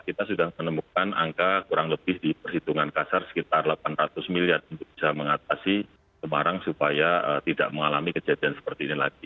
kita sudah menemukan angka kurang lebih di perhitungan kasar sekitar delapan ratus miliar untuk bisa mengatasi semarang supaya tidak mengalami kejadian seperti ini lagi